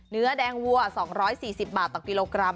เนื้อแดงวัว๒๔๐บาทต่อกิโลกรัม